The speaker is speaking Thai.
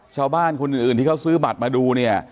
ชาวบ้านคนอื่นที่เขาซื้อบัตรมาดูเนี่ย